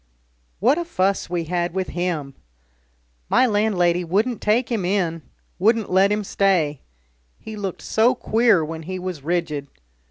What a fuss we had with him! My landlady wouldn't take him in, wouldn't let him stay he looked so queer when he was rigid.